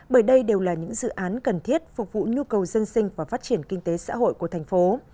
bởi đây đều là những dự án cần thiết phục vụ nhu cầu dân sinh và phát triển kinh tế xã hội của thành phố